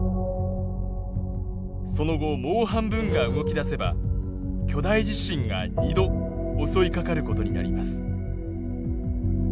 その後もう半分が動き出せば巨大地震が２度襲いかかることになります。